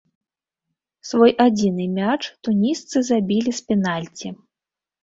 Свой адзіны мяч тунісцы забілі з пенальці.